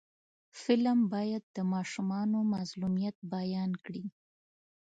فلم باید د ماشومانو مظلومیت بیان کړي